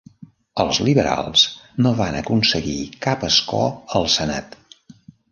Els liberals no van aconseguir cap escó al senat.